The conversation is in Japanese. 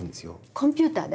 コンピューターで？